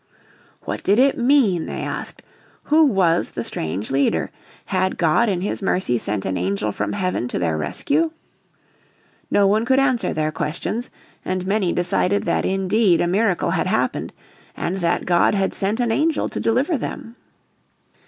"What did it mean?" they asked. "Who was the strange leader? Had God in His mercy sent an angel from heaven to their rescue ?" No one could answer their questions, and many decided that indeed a miracle had happened, and that God had sent an angel to deliver them.